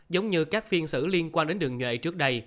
giống như các phiên xử liên quan đến đường nhuệ trước đây